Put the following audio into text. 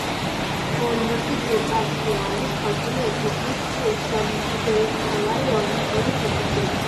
ბოლნისის ეპარქია არის ქართული ეკლესიის სამღვდელმთავრო აღმოსავლეთ საქართველოში.